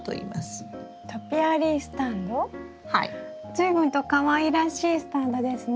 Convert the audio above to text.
随分とかわいらしいスタンドですね。